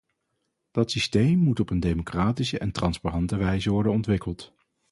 Dat systeem moet op een democratische en transparante wijze worden ontwikkeld.